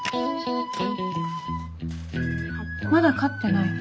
まだ勝ってないの？